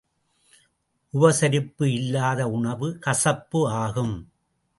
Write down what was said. உபசரிப்பு இல்லாத உணவு கசப்பு ஆகும்.